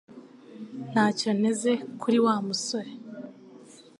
Ntacyo nteze kuri Wa musore